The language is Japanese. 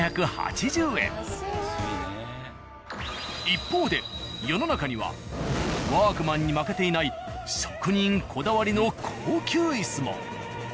一方で世の中には「ワークマン」に負けていない職人こだわりの高級椅子も。